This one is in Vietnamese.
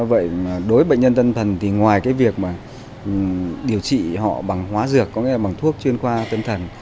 vậy đối với bệnh nhân tâm thần thì ngoài điều trị họ bằng hóa dược có nghĩa là bằng thuốc chuyên khoa tâm thần